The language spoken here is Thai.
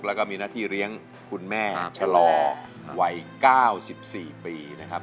แล้วก็มีหน้าที่เลี้ยงคุณแม่ชะลอวัย๙๔ปีนะครับ